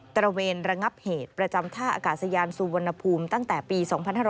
ระเวนระงับเหตุประจำท่าอากาศยานสุวรรณภูมิตั้งแต่ปี๒๕๕๙